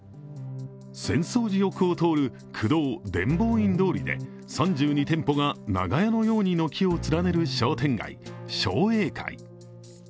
浅草寺横を通る区道、伝法院通りで３２店舗が長屋のように軒を連ねる商店街、商栄会。